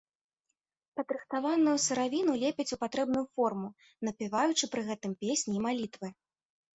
Падрыхтаваную сыравіну лепяць у патрэбную форму, напяваючы пры гэтым песні і малітвы.